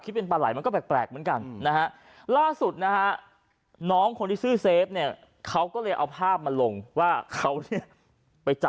คิดเป็นปลาไหลมันก็แปลกเหมือนกันนะฮะล่าสุดนะฮะ